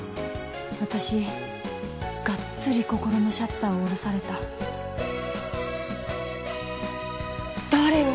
私がっつり心のシャッターをおろされた誰よ？